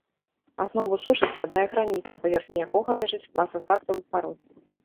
Аснову сушы складае граніт, на паверхні якога ляжыць пласт асадкавых парод.